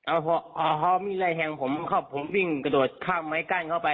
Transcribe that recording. เอาเขามีไล่แทงผมผมวิ่งกระโดดข้ามไม้กั้นเข้าไป